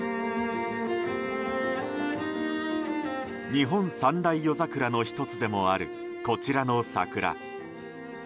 日本三大夜桜の１つでもあるこちらの桜。